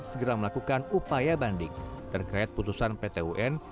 segera melakukan upaya banding terkait putusan pt un